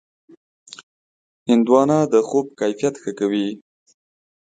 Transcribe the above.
هندوانه د خوب کیفیت ښه کوي.